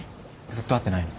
ずっと会ってないの？